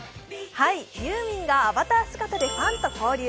ユーミンがアバター姿でファンと交流。